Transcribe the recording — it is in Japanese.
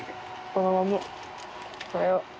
このままこれを。